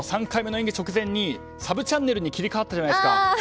３回目の演技直前にサブチャンネルに切り替わったじゃないですか。